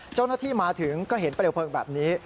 เจ้าหน้าที่มาถึงก็เห็นเปลวเพลิงแบบนี้